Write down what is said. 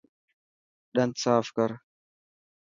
ڏنت ساف ڪر.